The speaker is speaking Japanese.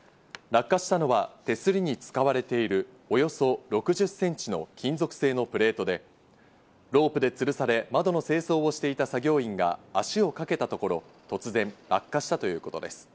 落下したのは手すりに使われているおよそ６０センチの金属製のプレートで、ロープで吊るされ窓の清掃をしていた作業員が足をかけたところ、突然、落下したということです。